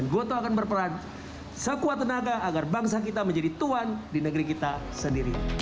goto akan berperan sekuat tenaga agar bangsa kita menjadi tuan di negeri kita sendiri